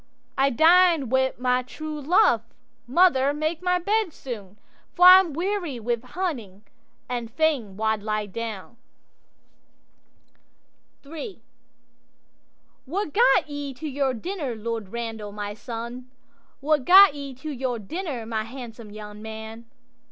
'—'I dined wi' my true love; mother, make my bed soon, For I'm weary wi' hunting, and fain wald lie down.'III'What gat ye to your dinner, Lord Randal, my son? What gat ye to your dinner, my handsome young man?